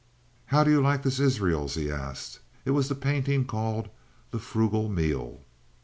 "How do you like this Israels?" he asked. It was the painting called "The Frugal Meal."